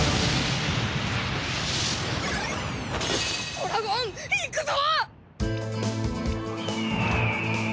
トラゴンいくぞ！